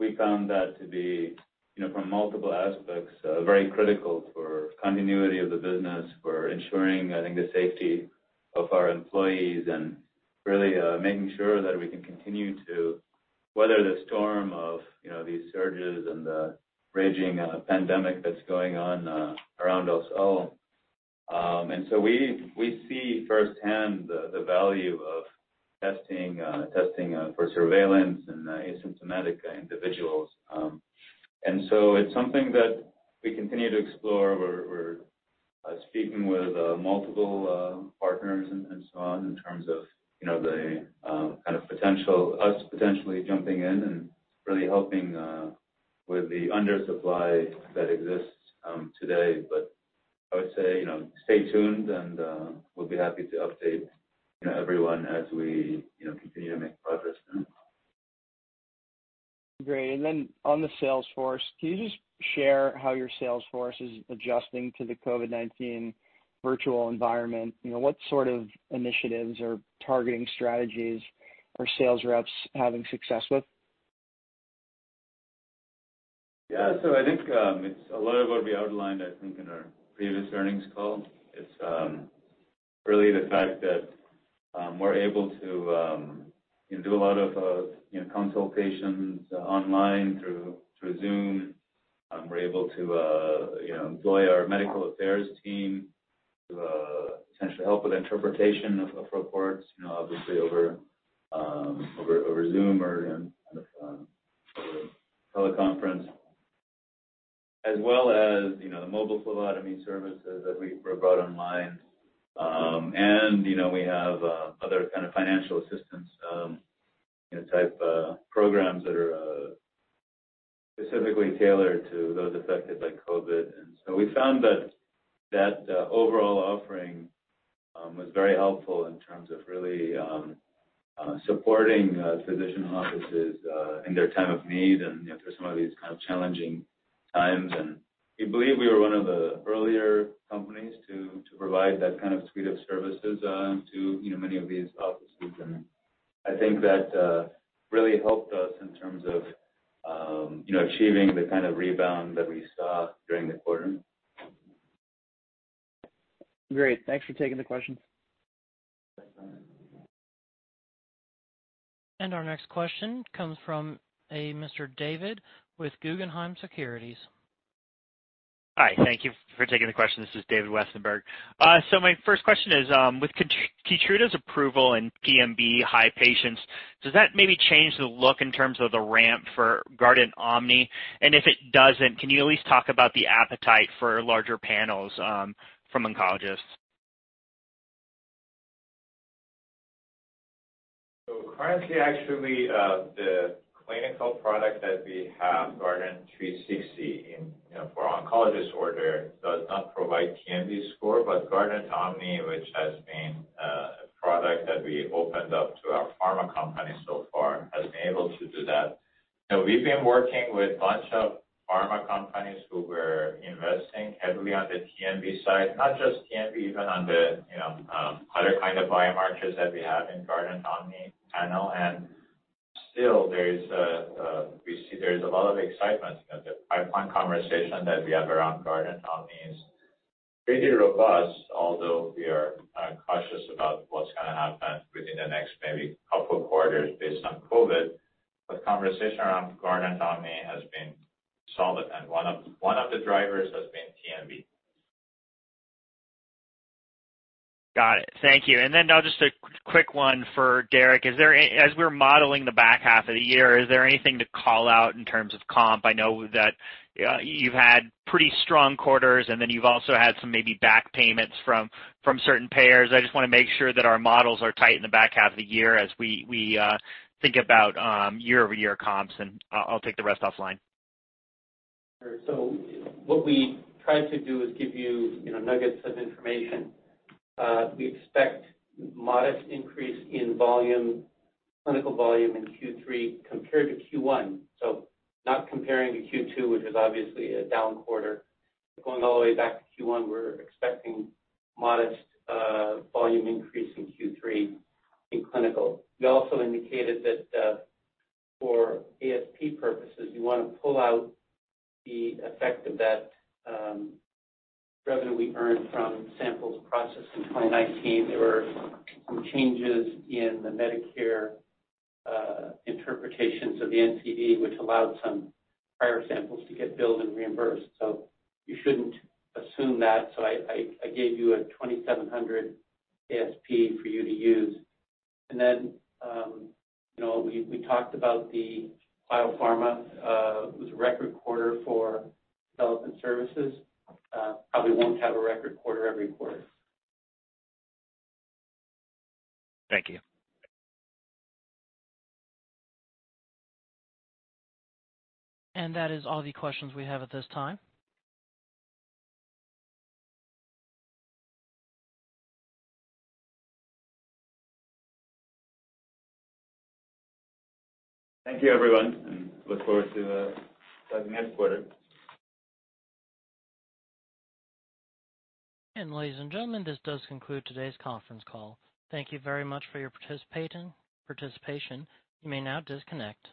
we found that to be, from multiple aspects, very critical for continuity of the business, for ensuring the safety of our employees and really making sure that we can continue to weather the storm of these surges and the raging pandemic that's going on around us all. We see firsthand the value of testing for surveillance in asymptomatic individuals. It's something that we continue to explore. We're speaking with multiple partners and so on in terms of us potentially jumping in and really helping with the undersupply that exists today. I would say, stay tuned and we'll be happy to update everyone as we continue to make progress then. Great. On the sales force, can you just share how your sales force is adjusting to the COVID-19 virtual environment? What sort of initiatives or targeting strategies are sales reps having success with? I think it's a lot of what we outlined, I think, in our previous earnings call. It's really the fact that we're able to do a lot of consultations online through Zoom. We're able to employ our medical affairs team to potentially help with interpretation of reports, obviously over Zoom or in kind of teleconference. The mobile phlebotomy services that we brought online. We have other kind of financial assistance type programs that are specifically tailored to those affected by COVID. We found that that overall offering was very helpful in terms of really supporting physician offices in their time of need and through some of these kind of challenging times. We believe we were one of the earlier companies to provide that kind of suite of services to many of these offices. I think that really helped us in terms of achieving the kind of rebound that we saw during the quarter. Great. Thanks for taking the question. Our next question comes from a Mr. David with Guggenheim Securities. Hi, thank you for taking the question. This is David Westenberg. My first question is, with KEYTRUDA's approval in TMB high patients, does that maybe change the look in terms of the ramp for GuardantOMNI? If it doesn't, can you at least talk about the appetite for larger panels from oncologists? Currently, actually, the clinical product that we have, Guardant360 for oncologist order, does not provide TMB score, but GuardantOMNI, which has been a product that we opened up to our pharma company so far, has been able to do that. We've been working with bunch of pharma companies who were investing heavily on the TMB side, not just TMB, even on the other kind of biomarkers that we have in GuardantOMNI panel. Still, we see there's a lot of excitement. The pipeline conversation that we have around GuardantOMNI is pretty robust, although we are cautious about what's going to happen within the next maybe couple quarters based on COVID. Conversation around GuardantOMNI has been solid, and one of the drivers has been TMB. Got it. Thank you. Now just a quick one for Derek. As we're modeling the back half of the year, is there anything to call out in terms of comp? I know that you've had pretty strong quarters, and then you've also had some maybe back payments from certain payers. I just want to make sure that our models are tight in the back half of the year as we think about year-over-year comps, and I'll take the rest offline. Sure. What we tried to do is give you nuggets of information. We expect modest increase in clinical volume in Q3 compared to Q1. Not comparing to Q2, which is obviously a down quarter. Going all the way back to Q1, we're expecting modest volume increase in Q3 in clinical. We also indicated that for ASP purposes, you want to pull out the effect of that revenue we earned from samples processed in 2019. There were some changes in the Medicare interpretations of the NCD, which allowed some prior samples to get billed and reimbursed. You shouldn't assume that. I gave you a $2,700 ASP for you to use. Then we talked about the biopharma. It was a record quarter for development services. Probably won't have a record quarter every quarter. Thank you. That is all the questions we have at this time. Thank you, everyone. Look forward to talking to you next quarter. Ladies and gentlemen, this does conclude today's conference call. Thank you very much for your participation. You may now disconnect.